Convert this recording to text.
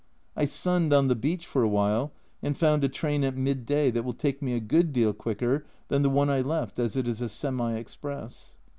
I sunned on the beach for a while, and found a train at midday that will take me a good deal quicker than the one I left, as it is a semi express.